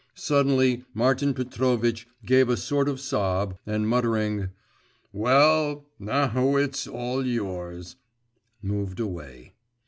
Suddenly Martin Petrovitch gave a sort of sob, and muttering, 'Well, now it's all yours!' moved away.